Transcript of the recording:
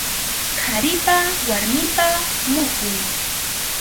Qharipa warmipa muhun.